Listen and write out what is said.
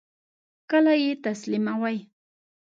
کله یی تسلیموئ؟